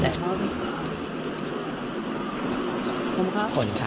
ขอบคุณค่ะ